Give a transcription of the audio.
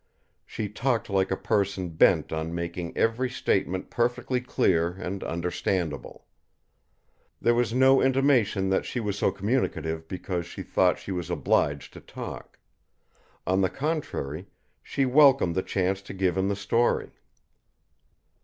She talked like a person bent on making every statement perfectly clear and understandable. There was no intimation that she was so communicative because she thought she was obliged to talk. On the contrary, she welcomed the chance to give him the story.